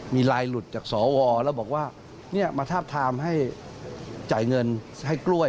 มีลายหลุดจากสวแล้วบอกว่ามาทาบทามให้จ่ายเงินให้กล้วย